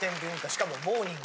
しかもモーニング。